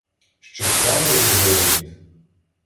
Щоб тямили його обід.